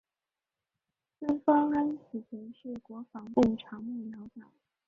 孙芳安此前是国防部长幕僚长。